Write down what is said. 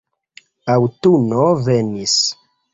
Aŭtuno venis.